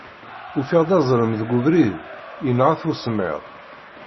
Ufiɣ-d azrem deg ubrid, yenɣa-t usemmiḍ.